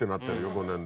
５年で。